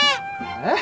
えっ？